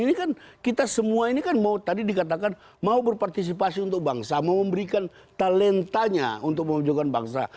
ini kan kita semua ini kan mau tadi dikatakan mau berpartisipasi untuk bangsa mau memberikan talentanya untuk mewujudkan bangsa